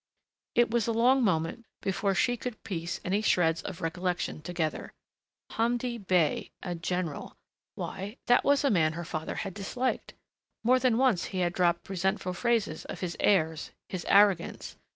It was a long moment before she could piece any shreds of recollection together. Hamdi Bey ... A general.... Why, that was a man her father had disliked ... more than once he had dropped resentful phrases of his airs, his arrogance